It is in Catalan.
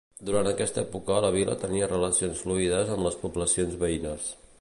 Durant aquesta època la vila tenia relacions fluides amb les poblacions veïnes.